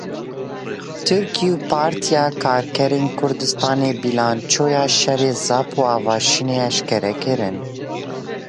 Tirkiye û Partiya Karkerên Kurdistanê bîlançoya şerê Zap û Avaşînê eşkere kirin.